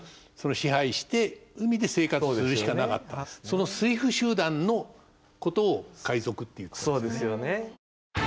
その水夫集団のことを海賊って言ったんですよね。